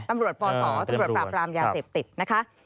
ปศตำรวจปราบรามยาเสพติดนะคะ